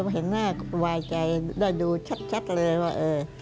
แต่ว่าใจได้ดูชัดเลยว่า